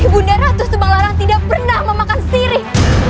ibu nda ratu semanglarang tidak pernah memakan sirih